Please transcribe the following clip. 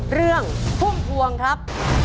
เรื่องภูมิภวงครับ